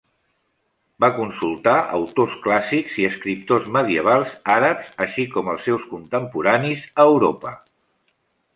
Va consultar autors clàssics i escriptors medievals àrabs, així com els seus contemporanis a Europa.